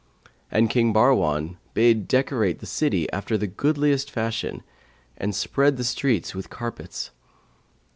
And King Bahrwan bade decorate the city after the goodliest fashion and spread the streets with carpets.